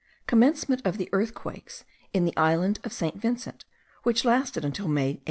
Commencement of the earthquakes in the island of St. Vincent, which lasted till May 1812.